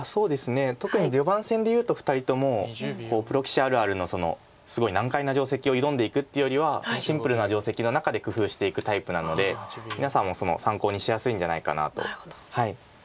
特に序盤戦でいうと２人ともプロ棋士あるあるのすごい難解な定石を挑んでいくっていうよりはシンプルな定石の中で工夫していくタイプなので皆さんも参考にしやすいんじゃないかなと。